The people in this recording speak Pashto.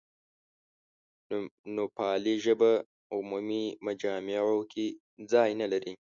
نوپالي ژبه عمومي مجامعو کې ځای نه لري.